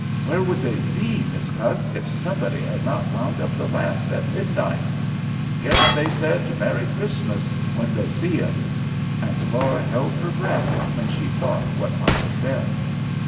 "Where would they be, Miss Cutts, if somebody had not wound up the lamps at midnight? Guess they said 'Merry Christmas' when they see 'em." And Laura held her breath when she thought what might have been.